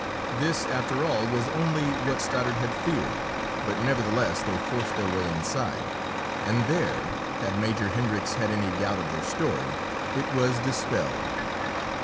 This, after all, was only what Stoddard had feared, but nevertheless they forced their way inside and there, had Major Hendricks had any doubt of their story, it was dispelled.